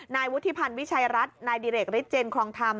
นายวุฒิพันธ์วิชัยรัฐนายดิเรกฤทธเจนครองธรรม